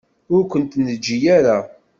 Ur kent-neǧǧi ara.